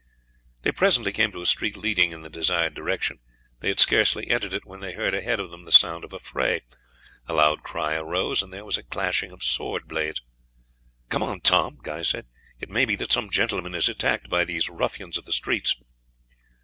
They presently came to a street leading in the desired direction. They had scarcely entered it when they heard ahead of them the sound of a fray. A loud cry arose, and there was a clashing of sword blades. "Come on, Tom!" Guy said; "it may be that some gentleman is attacked by these ruffians of the streets."